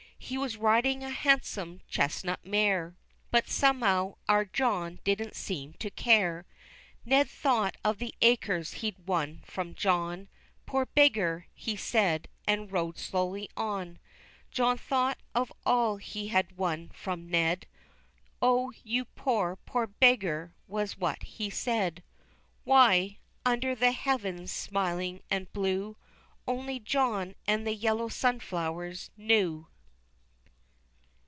He was riding a handsome chestnut mare But, somehow, our John didn't seem to care. Ned thought of the acres he'd won from John, "Poor beggar," he said, and rode slowly on; John thought of all he had won from Ned, "O you poor, poor beggar," was what he said. Why? Under the heavens smiling and blue, Only John and the yellow sunflowers knew.